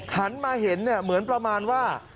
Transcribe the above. หันมาเห็นเหมือนประมาณว่า